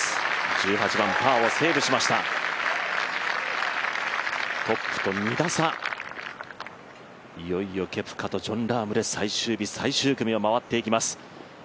１８番、パーをセーブしましたトップと２打差、いよいよケプカとジョン・ラームで最終日最終組を回っていきます。